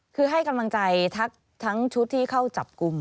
คือให้กำลังใจทั้งชุดที่เข้าจับกลุ่ม